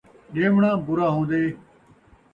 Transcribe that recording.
ݙیوݨا برا ہون٘دے